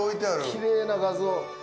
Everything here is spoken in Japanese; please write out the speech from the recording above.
きれいな画像。